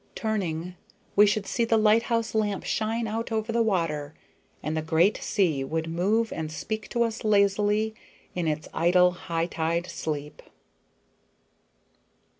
Turning, we should see the lighthouse lamp shine out over the water, and the great sea would move and speak to us lazily in its idle, high tide sleep.